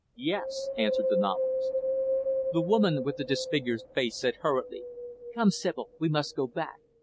"Yes," answered the novelist. The woman with the disfigured face said hurriedly, "Come, Sibyl, we must go back.